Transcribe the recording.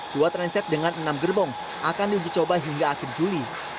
dua transit dengan enam gerbong akan diuji coba hingga akhir juli